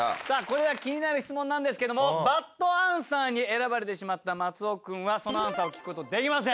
気になる質問なんですけどもバッドアンサーに選ばれてしまった松尾君はそのアンサーを聞くことできません。